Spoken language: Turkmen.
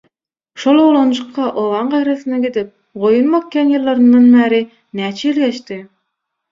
şol oglanjykka obaň gaýrasyna gidip goýun bakýan ýyllaryndan bäri näçe ýyl geçdi.